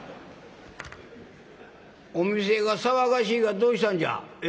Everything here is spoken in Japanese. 「お店が騒がしいがどうしたんじゃ？ええ？」。